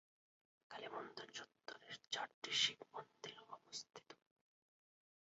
এই কালীমন্দির চত্বরে চারটি শিবমন্দির অবস্থিত।